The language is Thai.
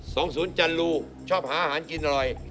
ศูนย์จันรูชอบหาอาหารกินอร่อย